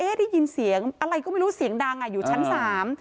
ได้ยินเสียงอะไรก็ไม่รู้เสียงดังอ่ะอยู่ชั้นสาม